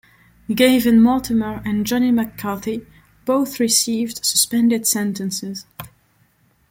Gavin Mortimer and Johnny McCarthy both received suspended sentences.